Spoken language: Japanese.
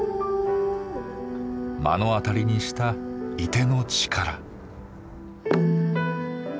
目の当たりにした射手の力。